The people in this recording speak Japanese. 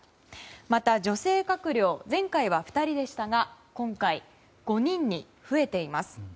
また、女性閣僚前回は２人でしたが今回、５人に増えています。